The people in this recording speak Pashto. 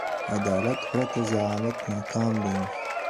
عدالت پرته زعامت ناکام دی.